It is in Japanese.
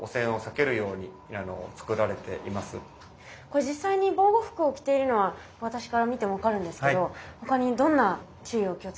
これ実際に防護服を着ているのは私から見ても分かるんですけど他にどんな注意を気をつけてるんですか？